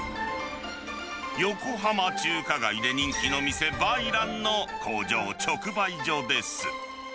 横浜中華街で人気の店、梅蘭の工場直売所です。